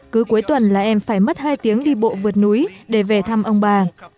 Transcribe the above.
cứ cuối tuần là em phải mất hai tiếng đi bộ vượt núi để về thăm ông bà